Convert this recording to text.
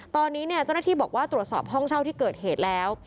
ตอนนี้เจ้าหน้าที่บอกว่าตรวจสอบห้องเช่าที่เกิดเหตุแล้ว